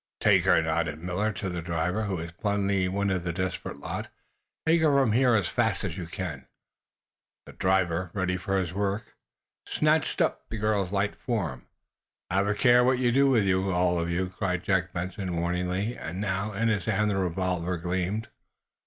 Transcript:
"Take her!" nodded Millard, to the driver, who was plainly one of the desperate lot. "Take her from here as fast as you can." The driver, ready for his work, snatched up the girl's light form. "Have a care what you do all of you!" cried Jack Benson, warningly, and now, in his hand, the revolver gleamed.